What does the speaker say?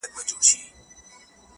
زما پښتون زما ښايسته اولس ته;